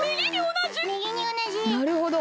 なるほど。